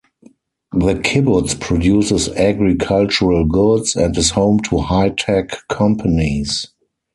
The kibbutz produces agricultural goods and is home to high tech companies.